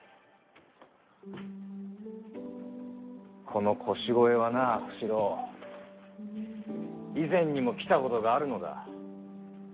この腰越はな小四郎以前にも来たことがあるのだ。